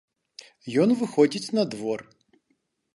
Ён выходзіць на двор.